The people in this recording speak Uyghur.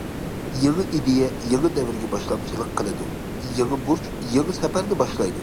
يېڭى ئىدىيە يېڭى دەۋرگە باشلامچىلىق قىلىدۇ، يېڭى بۇرچ يېڭى سەپەرنى باشلايدۇ.